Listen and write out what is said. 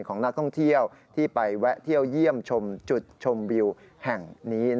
ของนักต้องเที่ยวที่ไปเยี่ยมเจอจุดชมวิวแห่งนี้